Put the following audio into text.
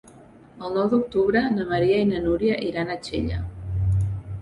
El nou d'octubre na Maria i na Núria iran a Xella.